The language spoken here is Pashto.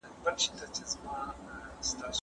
فکر وکړه،